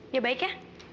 ya baik ya